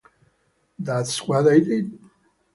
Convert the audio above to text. That's what I did!